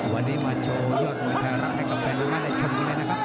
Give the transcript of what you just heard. วันนี้มาโชว์ยอดแผนรักในกำแพงรุงแรกในชมมือนะครับ